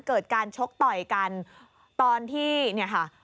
เกิดการชกต่อยกันตอนที่เนี่ยค่ะ